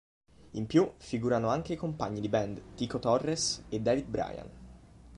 In più, figurano anche i compagni di band Tico Torres e David Bryan.